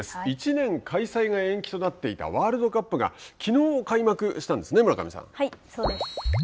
１年開催が延期となっていたワールドカップがきのう開幕したんですね、村上さはい、そうです。